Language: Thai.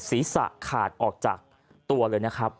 ศีรษะขาดออกจากตัวเลยนะครับ